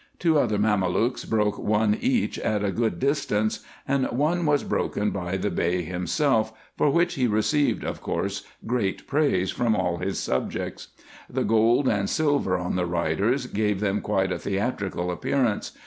Two other Mamelukes broke one each at a good distance, and one was broken by the Bey himself, for which he received of course great praise from all his subjects. The gold and silver on the riders gave them quite a theatrical ap pearance.